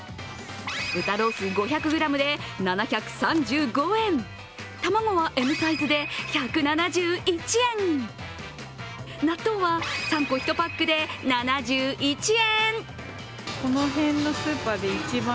豚ロース５００ｇで７３５円、卵はＭサイズで１７１円、納豆は３個１パックで７１円。